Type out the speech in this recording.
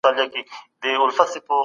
آیا څېړنه او کره کتنه سره جلا دي؟